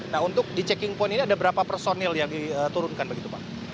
nah untuk di checking point ini ada berapa personil yang diturunkan begitu pak